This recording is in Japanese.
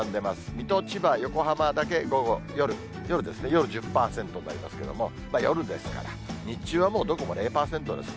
水戸、千葉、横浜だけ夜、夜１０％になりますけど、夜ですから、日中はもう、どこも０％です。